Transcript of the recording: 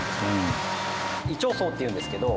萎凋槽っていうんですけど。